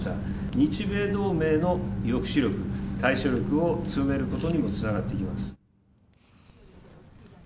日米同盟の抑止力、対処力を強めることにもつながっていきます。